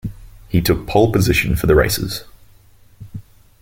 He took pole position for the races.